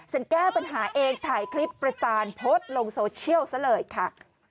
แก้ปัญหาเองถ่ายคลิปประจานโพสต์ลงโซเชียลซะเลยค่ะ